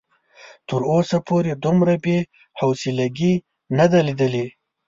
تر اوسه پورې دومره بې حوصلګي نه ده ليدلې.